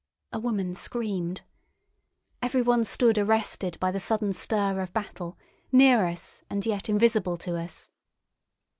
A woman screamed. Everyone stood arrested by the sudden stir of battle, near us and yet invisible to us.